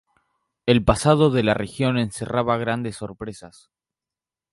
El pasado de la región encerraba grandes sorpresas.